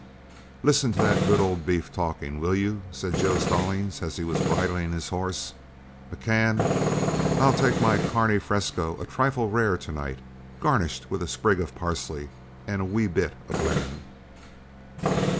"Listen to that good old beef talking, will you?" said Joe Stallings, as he was bridling his horse. "McCann, I'll take my carne fresco a trifle rare to night, garnished with a sprig of parsley and a wee bit of lemon."